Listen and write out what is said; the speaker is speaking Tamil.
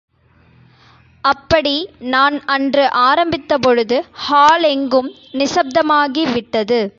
அப்படி நான் அன்று ஆரம்பித்த பொழுது, ஹாலெங்கும் நிசப்தமாகி விட்டது.